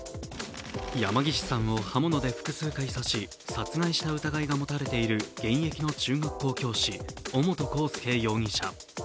山岸さんを刃物で複数回刺し殺害した疑いが持たれている現役の中学校教師、尾本幸祐容疑者